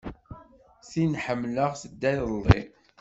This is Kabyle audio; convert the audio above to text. Tin ḥemmleɣ tedda iḍelli.